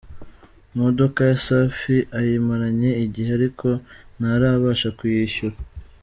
Imodoka ya Safi ayimaranye igihe ariko ntarabasha kuyishyura.